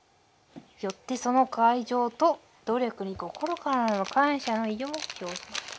よってその愛情と努力にこころからの感謝の意を表します」。